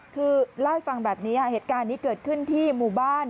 คือเล่าให้ฟังแบบนี้เหตุการณ์นี้เกิดขึ้นที่หมู่บ้าน